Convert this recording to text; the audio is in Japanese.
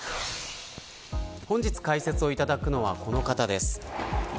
本日解説をいただくのはこの方です。